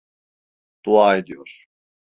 Dua ediyor.